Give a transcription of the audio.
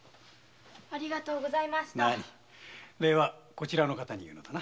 礼はこちらの方に言うのだな。